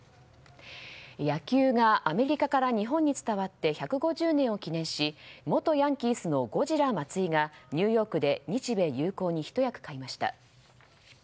野球がアメリカから日本に伝わって１５０年を記念し元ヤンキースのゴジラ松井がニューヨークで日米友好にひと役買いました。